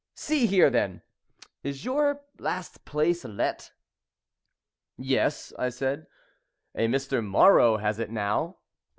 See here, then! Is your last place let?" "Yes," I said. "A Mr. Marrow has it now."